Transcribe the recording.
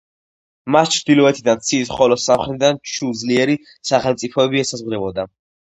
მას ჩრდილოეთიდან ცის, ხოლო სამხრეთიდან ჩუს ძლიერი სახელმწიფოები ესაზღვრებოდა.